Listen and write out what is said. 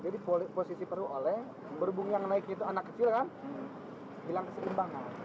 jadi posisi perahu oleh berhubung yang naiknya itu anak kecil kan bilang keseimbangan